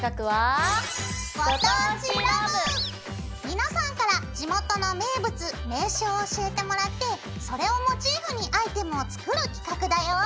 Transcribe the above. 皆さんから地元の名物名所を教えてもらってそれをモチーフにアイテムを作る企画だよ！